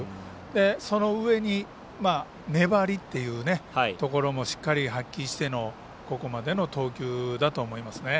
その上に粘りっていうところもしっかり発揮してのここまでの投球だと思いますね。